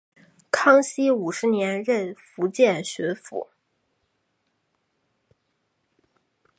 康熙五十年任福建巡抚。